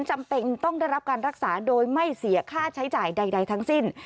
จำเป็นต้องได้รับการรักษาโดยไม่เสียค่าใช้จ่ายใดทั้งสิ้น